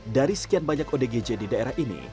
dari sekian banyak odgj di daerah ini